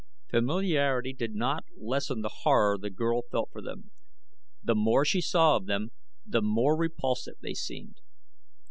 Familiarity did not lessen the horror the girl felt for them. The more she saw of them the more repulsive they seemed.